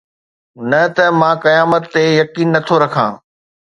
نه ته مان قيامت تي يقين نه ٿو رکان